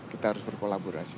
kita harus berkolaborasi